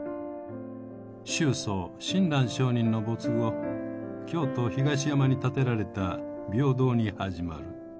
宗祖・親鸞聖人の没後京都・東山に建てられた廟堂に始まる。